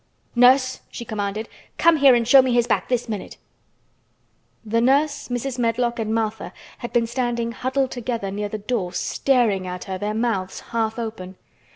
"Nurse," she commanded, "come here and show me his back this minute!" The nurse, Mrs. Medlock and Martha had been standing huddled together near the door staring at her, their mouths half open.